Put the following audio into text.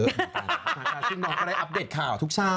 ซึ่งน้องก็ได้อัปเดตข่าวทุกเช้า